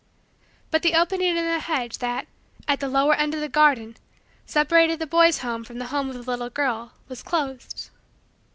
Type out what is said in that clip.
But the opening in the hedge that, at the lower end of the garden, separated the boy's home from the home of the little girl, was closed.